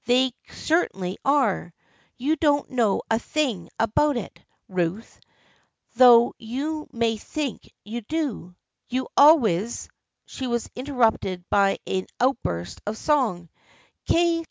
" They certainly are. You don't know a thing about it, Ruth, though you may think you do. You always " She was interrupted by an outburst of song.